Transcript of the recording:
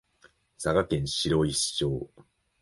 佐賀県白石町